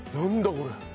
これ。